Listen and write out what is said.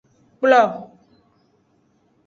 Kplo.